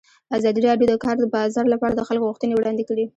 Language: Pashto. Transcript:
ازادي راډیو د د کار بازار لپاره د خلکو غوښتنې وړاندې کړي.